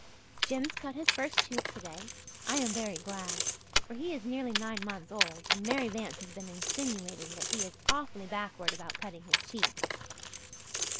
"Jims cut his first tooth today. I am very glad, for he is nearly nine months old and Mary Vance has been insinuating that he is awfully backward about cutting his teeth.